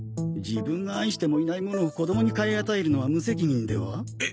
自分が愛してもいないものを子どもに買い与えるのは無責任では？